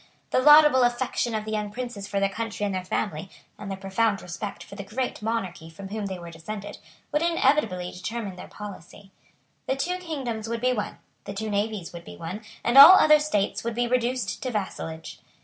The laudable affection of the young princes for their country and their family, and their profound respect for the great monarch from whom they were descended, would inevitably determine their policy. The two kingdoms would be one; the two navies would be one; and all other states would be reduced to vassalage.